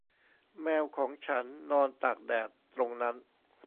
แมวของฉันนอนตากแดดตรงนั้น